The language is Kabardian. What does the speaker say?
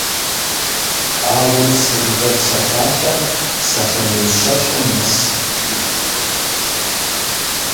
А «Урыс-адыгэ псалъалъэм» псалъэ мин щэщӏым нэс итщ.